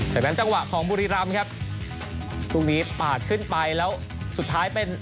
จากนั้นจังหวะของบุรีรำครับลูกนี้ปาดขึ้นไปแล้วสุดท้ายเป็น